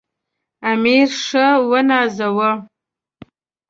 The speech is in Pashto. امیر ښه ونازاوه.